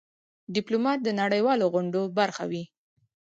ډيپلومات د نړېوالو غونډو برخه وي.